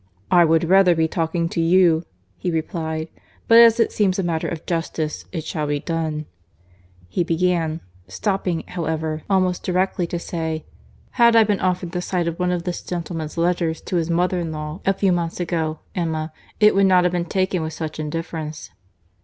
"I would rather be talking to you," he replied; "but as it seems a matter of justice, it shall be done." He began—stopping, however, almost directly to say, "Had I been offered the sight of one of this gentleman's letters to his mother in law a few months ago, Emma, it would not have been taken with such indifference."